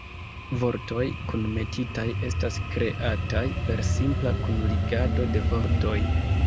Vortoj kunmetitaj estas kreataj per simpla kunligado de vortoj.